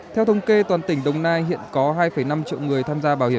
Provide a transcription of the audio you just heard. theo thống kê toàn tỉnh đồng nai hiện có hai năm triệu người tham gia bảo hiểm